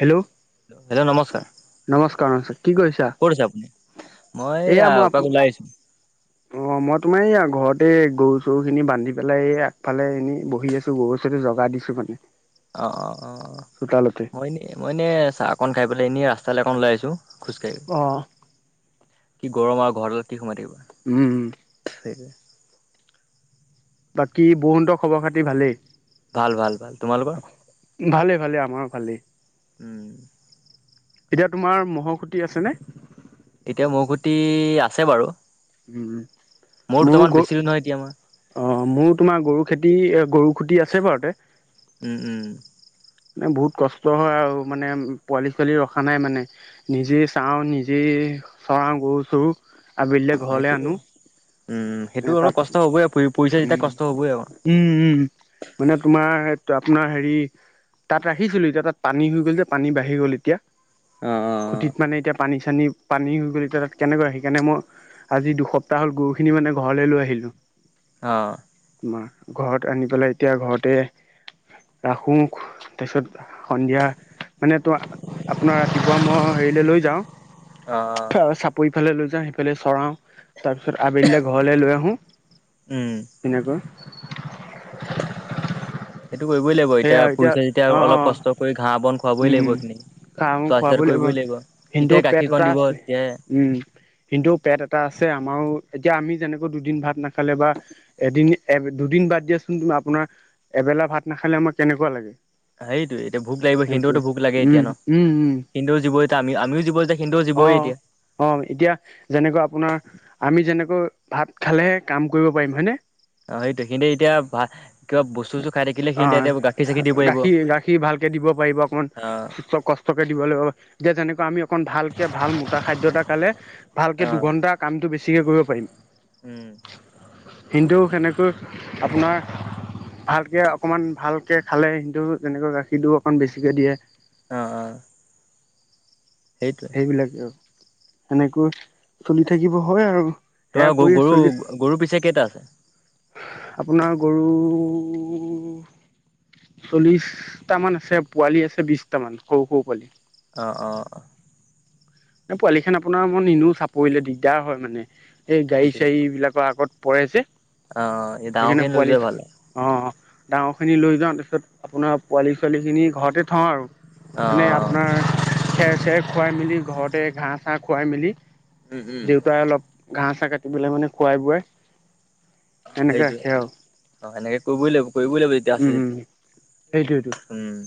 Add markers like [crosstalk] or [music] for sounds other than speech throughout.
Hello hello নমস্কাৰ নমস্কাৰ নমস্কাৰ কি কৰিছা? ক'ত আছে আপুনি? মই এইয়া এপাক ওলাই আহিছোঁ। উ অ', মই তোমাৰ এইয়া ঘৰতেই গৰু চৰুখিনি বান্ধি পেলাই এই আগফালে এনেই বহি আছোঁ গৰু চৰু জগা কিছুমানে। অ', অ', অ', মই এনে মই এনে চাহ অকণ খাই পেলাই এনে ৰাস্তালে অকণ ওলাই আহিছোঁ। খোজ কাঢ়ি, অ। কি গৰম আৰু ঘৰডালত কি সোমাই থাকিবা। উম, উম। [unintelligible] বাকী বুহতৰ খবৰ-খাতি ভালেই? ভাল, ভাল, ভাল, তোমালোকৰ? ভালে ভালে আমাৰো ভালেই। উম। এতিয়া তোমাৰ মহৰ খুটি আছেনে? এতিয়া মহ খুটি আছে বাৰু। উম, উম। মোৰ মোৰো দুটামান গ বেছিলো নহয় এতিয়া মই। অ, মোৰ তোমাৰ গৰু খেতি গৰু খুটি আছে বাৰুতে উম, উম। এ বহুত মান বহুত কষ্ট হয় আৰু মানে পোৱালি-ছোৱালী ৰখা নাই মানে নিজে চাওঁ নিজে চৰাও গৰু-চৰু আবেলিলে সেইটো ঘৰলে আনো। উম, এ সেইটো অলপ তাত কষ্ট হ'বই আৰু পু পুহিচা উম যেতিয়া কষ্ট হ'বই আৰু। উম উম মানে তোমাৰ তো আপোনাৰ হেৰি তাত ৰাখিছিলোঁ এতিয়া তাত পানী হৈ গ'ল যে পানী বাঢ়ি গ'ল এতিয়া। অ অ খুঁটিত মানে এতিয়া পানী চানী পানী হৈ গ'ল এতিয়া তাত কেনেকৈ সেইকানে মই আজি দুসপ্তাহ হ'ল গৰুখিনি মানে ঘৰলৈ লৈ আহিলোঁ। অ'। আমাৰ ঘৰত আনি পেলাই এতিয়া ঘৰতে ৰাখোঁ তাছত সন্ধিয়া মানে তো-আপোনাৰ ৰাতিপুৱা মই হেৰিলে লৈ যাওঁ। অ'। সিফালে লৈ যাওঁ সিফালে চৰাওঁ তাৰপিছত আবে ঘৰলে লৈ আহোঁ, উম তেনেকৈ সেইটো কৰিবই লাগিব এতিয়া সেয়া পুহিচা অ যেতিয়া অলপ কষ্ট কৰি ঘাঁহ, বন খুৱাবই লাগিব এইখিনি। ঘাঁহ, বন চোৱা চিতাটো খুৱাবই লাগিব কৰিবই সিহিঁতৰো তেতিয়াই পেট গাখীৰকণ এটা দিব আছে তেতিয়াই উম। সিহিঁতৰো পেট এটা আছে আমাৰো এতিয়া আমি যেনেকৈ দুদিন ভাত নাখালে বা এদিন, দুদিন বাদ দিয়াচোন তুমি আপোনাৰ এবেলা ভাত নাখালে আমাৰ কেনেকুৱা লাগে? সেইটোয়ে এতিয়া ভোক লাগিব সেইটোৱে সিহিঁতৰতো ভোক লাগে এতিয়া উম ন? উম উম সিহিঁতৰো জীৱ এতিয়া আমি, আমিও জীৱ সিহঁতেও জীৱই অ', এতিয়া অ', এতিয়া যেনেকুৱা আপোনাৰ আমি যেনেকৈ ভাত খালেহে কাম কৰিব পাৰিম হয়নে? অ', সেইটোৱে সিহঁতে এতিয়া ভাল কিবা বস্তু চস্তু খাই থাকি অ', গাখীৰ, গাখীৰ ভালকে দিব পাৰিব, অকণমান কষ্টকে দিব লাগিব যে, [unintelligible] আমি অকন ভালকে, ভাল মোটা খাদ্য এটা খালে অ ভালকে দুঘন্টা কামটো বেছিকে কৰিব পাৰিম। উম। কিন্তু সেনেকৈ আপোনাৰ ভালকে অকমান ভালকে খালে, সিঁহিতয়ো তেনেকৈ গাখীৰটো অকন বেছিকে দিয়ে। অ'। সেইটোৱে সেইবিলাকে আৰু সেনেকৈ চলি থাকিব হয়, আৰু। তোমাৰ সেয়া গ কৰি গৰু চলি, গৰু পিছে কেইটা আছে আপোনাৰ গৰু উ চল্লিশটা মান আছে পোৱালি আছে বিশটা মান সৰু সৰু পোৱালি। অঁ অঁ পোৱালি খিনি আপোনাৰ ম নিনো চাপৰিলে দিগদাৰ হয় মানে এই গাড়ী সেইটোৱে চাড়ী বিলাকৰ আগত পৰেজে, অ এই সেইকাৰণে ডাঙৰখিনি লৈ পোৱালি যোৱাই ভাল অ অঁ ডাঙৰখিনি লৈ যাওঁ তাৰপিছত আপোনাৰ পোৱালী ছোৱালীখিনি ঘৰতে থওঁ আৰু। অ অ মানে আপোনাৰ খেৰ চেৰ খুৱাই মেলি ঘৰতে ঘাঁহ চাহ খুৱাই মেলি উম উম দেউতাই অলপ ঘাঁহ চাহ কাটি পেলাই মানে খোৱাই বোৱাই অঁ সেনেকে সেইটোয়ে ৰাখে আৰু অ সেনেকে কৰিবই লাগিব, কৰিব লাগিব এতিয়া উম আছে উম যেতিয়া, সেইটোৱেইটো উম-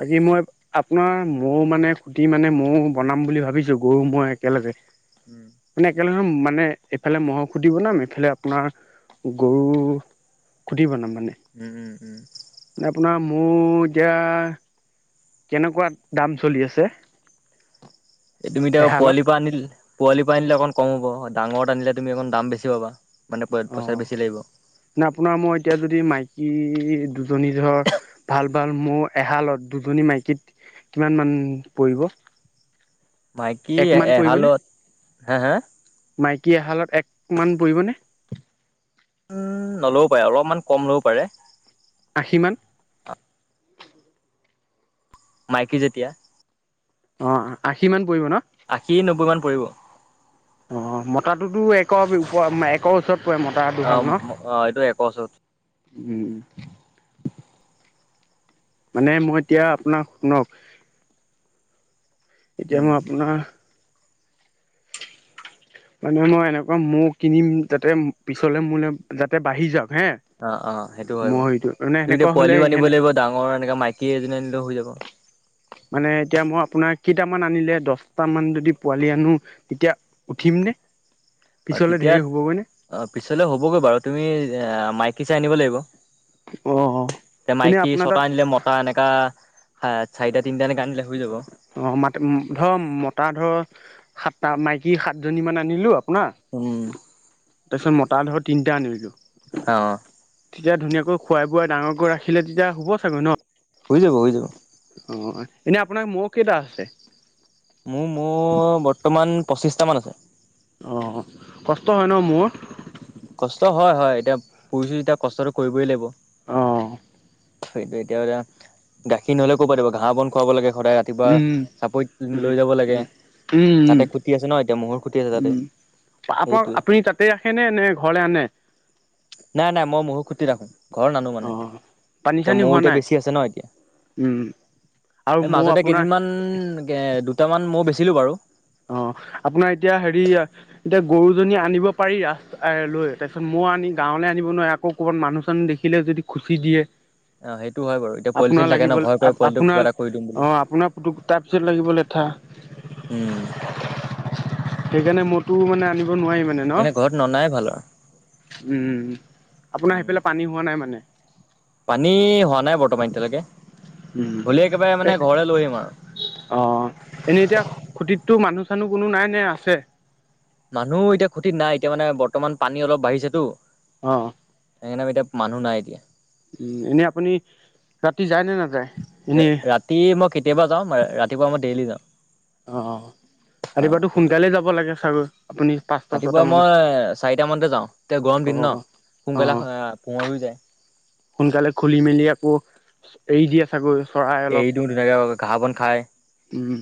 বাকী মই আপোনাৰ মৌ মানে খুটি মানে মৌ বনাম বুলি ভাবিছো গৰু মই একেলগে। উম। মানে মানে এইফালে মহ'ৰ সুধি বনাম এইফালে আপোনাৰ গৰু খুটি বনাম। উম উম উম। আপুনাৰ মোৰ এতিয়া কেনেকুৱা দাম চলি আছে? তুমি এতিয়া এহালত পোৱালিৰ পৰা আনিল পোৱালি পৰা আনিলে অকন কম হ'ব ডাঙৰত আনিলে তুমি অকণ দাম বেছি পাবা মানে পইচা বেছি লাগিব। না আপোনাৰ মই এতিয়া যদি মাইকী দুজনী ধৰ ভাল ভাল মোৰ এহালত দুজনী মাইকীত কিমান মান পৰিব? মাইকী এক মান পৰিবনে এহালত হা হা মাইকী এহালত একমান পৰিবনে? উম পাৰে অলপমান কম লবও পাৰে, আশী মান মাইকী যেতিয়া অ আশী মান পৰিব ন আশী নব্বৈ মান পৰিব। অ মতাটোতো একৰ ওপৰত একৰ ওচৰত পৰে মতা দুহাল ন? অ এইটো একৰ ওচৰত। উম। মানে মই এতিয়া আপোনাক শুনক এতিয়া উম মই আপোনাৰ মানে মই এনেকুৱা ম'হ কিনিম যাতে পিছলে মোলে যাতে বাঢ়ি যাওক। হে অ অ সেইটো হয় মৌ বাৰু হেৰিটো মানে তুমি সেনেকুৱা এতিয়া হলে পোৱালিও আনিব সেনে লাগিব, ডাঙৰ এনেকা মাইকী এজনী আনিলেও হৈ যাব। মানে এতিয়া মই আপোনাক কেইটামান আনিলে দছটামান যদি পোৱালি আনো, তেতিয়া উঠিম নে? অ পিছলে তেতিয়া ধেৰ হ'বগৈ নে অ পিছলৈ হ'বগৈ বাৰু তুমি আ মাইকী চাই আনিব লাগিব। অ অ এ এনে মাইকী আপোনাৰ তাত ছটা আনিলে মতা এনেকা হা চাৰিটা তিনিটা এনেকে আনিলে হৈ যাব। অ মাত ধৰ মতা ধৰ সাতটা মাইকী সাতজনী মান আনিলো শুনা উম তাৰপিছত মতা ধৰ তিনিটা আনিলো অ। তেতিয়া ধুনীয়াকৈ খোৱাই বোৱাই ডাঙৰকৈ ৰাখিলে তেতিয়া হ'ব চাগৈ ন? হৈ যাব হৈ যাব। অ এনেই আপোনাৰ ম'হ কেইটা আছে? মোৰ ম'হ বৰ্তমান পঁচিশটা মান আছে। অ কষ্ট হয় ন ম'হত? পোহিছো যেতিয়া কষ্টটো কৰিবই লাগিব। অ। সেইটোয়ে এতিয়া এয়া গাখীৰ নহলেও কৰপৰা দিব ঘাঁহ বন খুৱাব লাগে সদায় ৰাতিপুৱা উম চাপৰিত উম লৈ যাব লাগে। উম উম তাতে খুটি আছে ন এতিয়া ম'হৰ খুটি আছে উম তাতে। উম আপোনাক সেইটোৱে আপুনি তাতে ৰাখে নে নে ঘৰলে আনে? নাই নাই মই ম'হৰ খুটিত ৰাখো। ঘৰত নানো অ মানে পানী এতিয়া চানী ম'হ হোৱা এতিয়া নাই বেছি আছে ন এতিয়া। উম আৰু এই ম'হ মাজতে আপোনাৰ কেইদিনমান এ দুটামান ম'হ বেচিলো বাৰু। অ আপোনাৰ এতিয়া হেৰি এতিয়া গৰুজনী আনিব পাৰি লৈ তাৰপিছত ম'হ হ আনি গাঁৱলে আনিব নোৱাৰি আকৌ ক'ৰবাত মানুহ-চানুহ দেখিলে যদি খুচি দিয়ে। অ সেইটো হয় বাৰু এতিয়া পোৱালি চোৱালি আপোনাৰ থাকে ন লাগিব ভয় কৰে পোৱালিটোক কিবা আপোনাৰ এটা কৰি দিম বুলি অ আপোনাৰ তাৰপিছত লাগিব লেঠা। উম। সেইকাৰণে ম'হতো মানে আনি এনে ঘৰত ননাই ভাল আৰু। উম। আপোনাৰ উম হেইফালে পানী হোৱা নাই মানে? পানী হোৱা নাই বৰ্তমান এতিয়ালৈকে। উম, হ'লে একেবাৰে এ মানে ঘৰলে লৈ আহিম আৰু অ এনেই এতিয়া খুটিত টো মানুহ-চানুহ কোনো নাই নে আছে? মানুহ এতিয়া খুটিত নাই এতিয়া মানে বৰ্তমান পানী অলপ বাঢ়িছেতো। অ। সেইকাৰণে এতিয়া মানুহ নাই এতিয়া। উম। এনে আপুনি ৰাতি যায় নে নাযায়? এনেই ৰাতি মই কেতিয়াবা যাওঁ, ৰাতিপুৱা মই ডেইলি যাওঁ। অ। অ ৰাতিপুৱাতো সেইটোৱে সোনকালে যাব লাগে চাগৈ? আপুনি পাঁচটা ছটা ৰাতিপুৱা মানত মই চাৰিটা মানতে যাওঁ এতিয়া গৰম অ দিন ন অ সোনকালে পোহৰ হৈ যায়। সোনকালে খুলি মেলি আকৌ এৰি দিয়ে চাগৈ? চৰাই অলপ এৰি দিও ধুনীয়াকে ঘাঁহ-বন উম,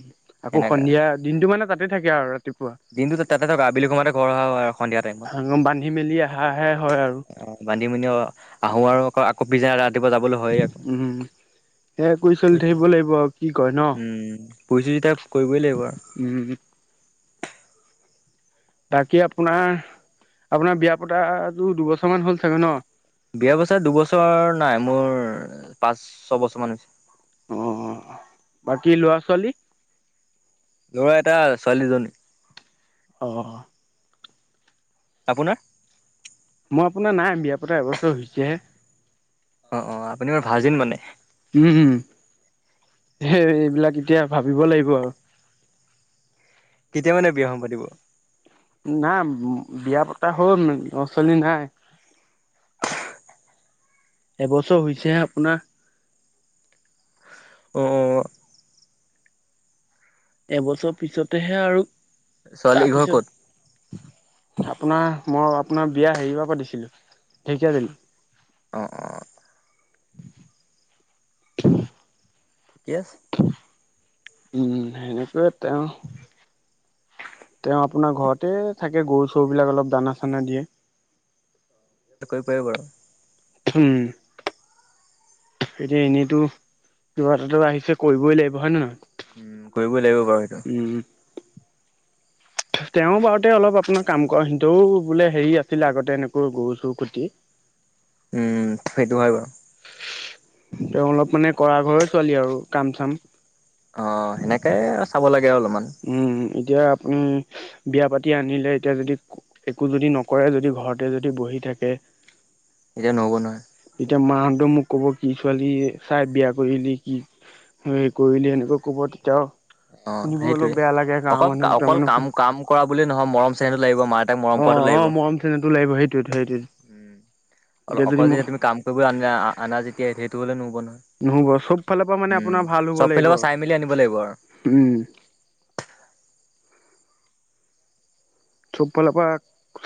আকৌ সন্ধিয়া দিনটো মানে তাতে থাকে আৰু ৰাতিপুৱা। দিনটো তাতে থাকো আবেলি সময়ত হে ঘৰ অহা হয় সন্ধিয়া টাইমত। বান্ধি মেলি আহাহে হয় আৰু অ বান্ধি-বোন্ধি অ আহো আৰু আকৌ পিছদিনা ৰাত তিপুৱা যাবলৈ হয়ে আক। উম সেয়া কৰি চলি থাকিব লাগিব আৰু কি কয় ন? উম পুৰি চুৰি এতিয়া কৰিবই লাগিব আৰু উম। বাকী আপোনাৰ আপোনাৰ বিয়া পতাটো দুবছৰ মান হ'ল চাগৈ ন? বিয়াপতা দুবছৰ নাই মোৰ পাঁচ, ছবছৰ মান হৈছে। অ বাকী ল'ৰা-ছোৱালী? লৰা এটা ছোৱালী দুজনী। অ। আপোনাৰ? মই আপোনাৰ নাই বিয়া পতা এবছৰ হৈছেহে। অ', অ', আপুনি মোৰ ভাৰ্জিন মানে উম। সেই এইবিলাক এতিয়া ভাবিব লাগিব আৰু। কেতিয়া মানে বিয়াখন পাতিব? নাই বিয়া পতা হ'ল ল'ৰা ছোৱালী নাই এবছৰ হৈছেহে আপোনাৰ অহ এবছৰ পিছতেহে আৰু ছোৱালী ঘৰ তাৰপিছত ক'ত আপোনাৰ মই আপোনাৰ বিয়া হেৰি পৰা পাতিছিলো ঢেকিয়াজুলী অহ‌ অ ঠিকে আছে উম এনেকৈ তেওঁ তেওঁ আপোনাৰ ঘৰতে থাকে গৰু চৰুবিলাক অলপ দানা চানা দিয়ে কৰিব পাৰিব বাৰু উম এতিয়া এনেইটু আহিছে কৰিবই লাগিব হয় নে নহয় উম, কৰিবই লাগিব বাৰু সেইটো। উম তেওঁ বাৰুতে অলপ আপোনাৰ কাম কৰ সিহতেও বোলে হেৰি আছিলে আগতে এনেক গৰু চৰু কি উম সেইটো হয় বাৰু [inaudible] অ', সেনেকে চাব অলপমান উম এতিয়া আপুনি বিয়া পাতি আনিলে এতিয়া যদি একো যদি নকৰে যদি ঘৰতে যদি বহি থাকে উ [unintelligible] এতিয়া নহ'ব নহয় এতিয়া মাহঁতে মোক ক'ব কি ছোৱালী চাই বিয়া কৰিলি সে কৰিলি এনেকৈ কব তেতিয়াও অ সেইটোৱে অকল দুটা অকল মানে কাম কাম কৰা বুলি নহয় মৰম চেনেহটো লাগিব মা দেউতা অ মৰম কৰাটো অ লাগিব মৰম চেনেহটো লাগিব সেইটোৱেটো সেইটোৱে এতিয়া উম অল যদি অকল মোৰ যে তুমি কাম কৰিবলৈ আনিলা আনা যেতিয়া সেইটো হ'লে নোহোবো নহ'ব চব ফালৰ পৰা মানে আপোনাৰ ভাল হ'ব চব ফালৰ পৰা চাই মেলি আনিব আৰু। লাগিব উম [inaudible] চব ফালৰ পৰা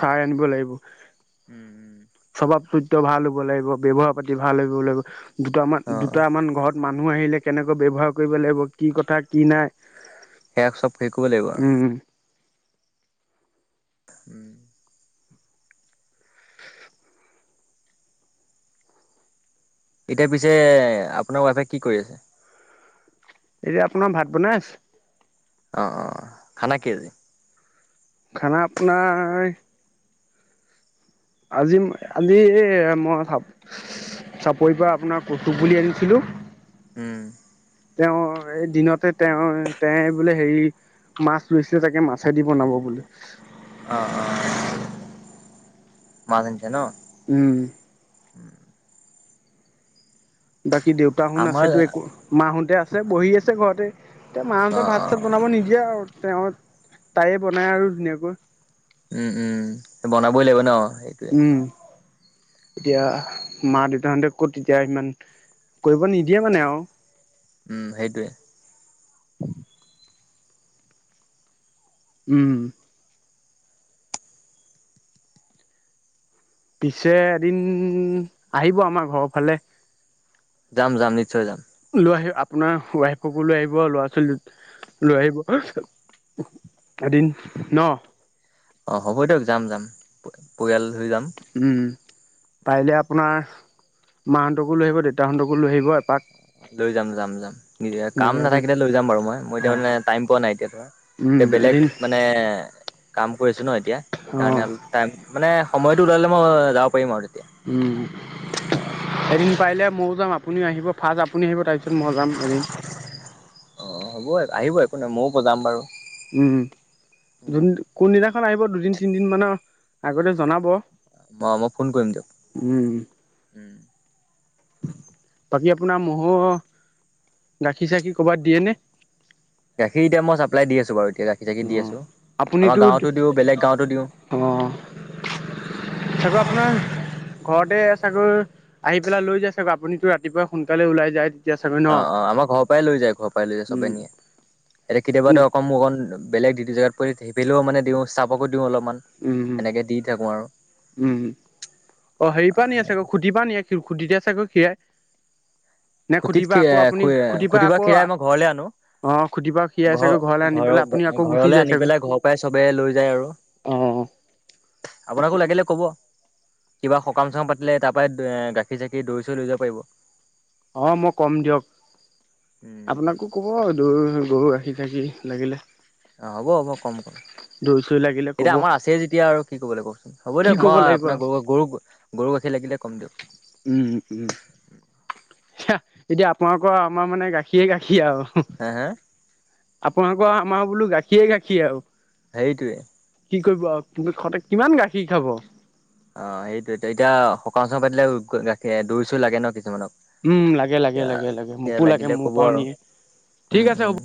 চাই আনিব লাগিব উম উম। স্বভাৱ চৰিত্ৰ ভাল হ'ব লাগিব ব্যৱহাৰ পাতি ভাল হ'ব লাগিব দুটামান অ দুটামান ঘৰত মানুহ মানুহ আহিলে কেনেকৈ ব্যৱহাৰ কৰিব লাগিব কি কথা কি নাই সেয়াক চ ব হৈ লাগিব আৰু উম উম এতিয়া পিছে আপোনাৰ ৱাইফে কি কৰি আছে এতিয়া আপোনাৰ ভাত বনাই আছে অ অ খানা কি খানা আপোৰ আজি আজি এ মই চাব চাপৰিৰ পৰা আপোনাৰ কচু পুলি আনিছিলো হম তেওঁ এই দিনতে তেওঁ তে বোলে হেৰি মাছ লৈছে চাগে মাছেইদি বনাব বুলি অ অ মাছ আনিছে ন উম উম বাকী দেউতাহোন আমাৰ আছেতো একো মাহোঁতে আছে বহি আছে ঘৰতে এ মাহঁতে অ ভাত অ চাত বনাব নিদিয়ে আৰু তেওঁ তাইে বনায় আৰু ধুনীয়াকৈ উম উম বনাবই লাগিব ন সেইটোয়ে উম এতিয়া মা দেউতাহঁতে ক'ত তেতিয়া সিমান কৰিব নিদিয়ে মানে আওঁ উম সেইটোৱে উম, পিছে এদিন আহিব আমাৰ ঘৰৰ ফালে যাম যাম নিশ্চয় যাম আপোনাৰ ৱাইফকো লৈ আহিব ল'ৰা ছোৱালী লৈ আহিব এদিন ন। অ হ'ব দিয়ক যাম যাম পৰিয়াল হৈ যাম। উম,, পাৰিলে আপোনাৰ মাহঁতকো লৈ আহিব দেউতাহঁতকো লৈ আহিব এপাক। লৈ যাম যাম যাম নি কাম ধুনীয়াকে এদিন নাথাকিলে লৈ যাম বাৰু মই অ মইতিয়া মে টাইম পোৱা নাই এতিয়া ধৰা উম এয়া বেলেগ এদিন মানে কাম কৰিছোঁ ন এতিয়া অ সেইকাৰণে অলপ টাইম মানে সময়টো ওলালে মই যাব পাৰিম আৰু তেতিয়া উম, এদিন পাৰিলে ময়ো যাম আপুনিও আহিব ফাৰ আপুনি আহিব তাৰপিছত মই যাম এদিন। তেনে ময়ো ব যাম বাৰু। উম, কোনদিনাখন আহিব দুদিন তিনদিন মানৰ আগতে জনাব। ম মই ফোন কৰিম দিয়ক উম, উম। বাকী আপোনাৰ ম'হৰ গাখীৰ চাখীৰ কৰ'বাত দিয়ে নে? গাখীৰ এতিয়া মই চাপ্লাই দি আছো বাৰু। এতিয়া গাখীৰ অ, চাখীৰ দি আছো আমাৰ আপুনিতো গাঁৱতো দিওঁ বেলেগ গাঁৱতো দিওঁ অ চাগৈ আপোনাৰ ঘৰতে চাগৈ আহি পেলাই লৈ যায় চাগৈ আপুনিতো ৰাতিপুৱা সোনকালে ওলাই যায়। তেতিয়া চাগৈ ন? অ অ আমাৰ ঘৰৰ পৰাই লৈ যায় ঘৰৰ পৰাই লৈ যায় চবে উম, নিয়ে এতিয়া আপুনি কেতিয়াবাতো অকণ মোৰ অকন বেলেগ ডিউতি জেগাত পৰি সেইফেলেও মানে দিও চাবকো দিও অলপমান, উম, সেনেকে দি থাকো আৰু। উম, অ হেৰি পৰা নিয়ে চাগৈ খুটি পা নিয়ে খুটি দা চাগৈ খিৰাই। খুটিত খ খ খুটি বা খীৰাই মই ঘৰলৈ আনো। অ', খুটিৰ পৰা খীৰাই চাগৈ ঘৰলৈ আনি ঘৰ পেলাই আপুনি ঘ আকৌ গুচি ঘৰলে যায় আনি চাগৈ পেলাই ঘৰৰ পৰাই চবে লৈ যায় আৰু। অ', আপোনাকো লাগে লে কব, কিবা সকাম চকাম পাতিলে তাৰ পৰা গাখীৰ চাখিৰ দৈ চৈ লৈ যাব পাৰিব। অ মই কম দিয়ক। উম আপোনাকো কব দ গৰু গাখীৰ চাখিৰ লাগিলে। অ', হ'ব হ'ব কম কম। দৈ চৈ লাগিলে ক'ব। এতিয়া আমাৰ আছেই যেতিয়া আৰু কি কব লাগে কওকচোন হ'ব কি দিয়ক ক'ব মই লাগিব আপোনাৰ আৰু গৰু গৰু গৰু গাখীৰ লাগিলে। কম দিয়ক। উম উম এতিয়া আপোনালোকৰ আমাৰ মানে গাখীৰ গাখীৰ আৰু হা হা আপোনালোকৰ আমাৰ বোলো গাখীয়ে গাখীৰ আৰু সেইটোৱে কি কৰিব প সতে কিমান গাখীৰ খাব। অ সেইটোয় এতিয়া সকাম চক পাতিলে গাখীৰ দৌ চুই লাগে ন কিছুমানক উম লাগে লাগে এয়া লাগে লাগে ধে মোকো লাগে লাগিলে মোৰ কব পৰাও আৰু নিয়ে ঠিক উম আছে হ'ব উম